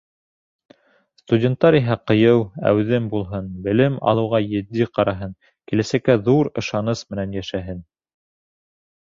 Студенттар иһә ҡыйыу, әүҙем булһын, белем алыуға етди ҡараһын, киләсәккә ҙур ышаныс менән йәшәһен!